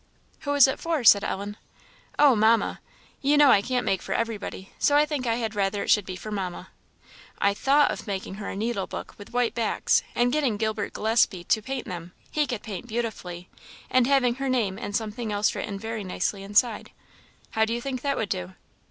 "Who is it for?" said Ellen. "Oh, Mamma! you know I can't make for everybody, so I think I had rather it should be for Mamma. I thought of making her a needle book with white backs, and getting Gilbert Gillespie to paint them he can paint beautifully and having her name and something else written very nicely inside; how do you think that would do?"